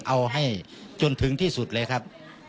เอาให้จนถึงที่สุดเลยครับ